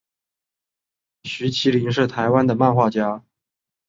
徐麒麟是台湾的漫画家。